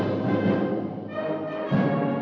lagu kebangsaan indonesia raya